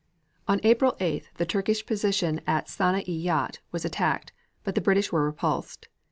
On April 8th the Turkish position at Sanna i yat was attacked, but the English were repulsed.